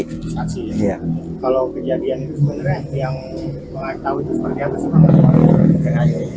kalau kejadian itu sebenarnya yang pengen tau itu seperti apa sih